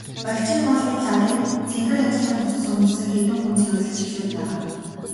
Балжийн голын лагийг цэнхэр ажлын хувцас өмссөн хэдэн хүн цэвэрлэж эхлээд байгаа.